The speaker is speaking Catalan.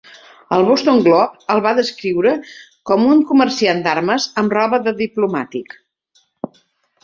El "Boston Globe" el va descriure com "un comerciant d'armes amb roba de diplomàtic.